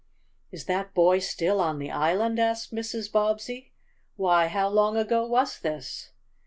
"Is that boy still on the island?" asked Mrs. Bobbsey. "Why how long ago was this?"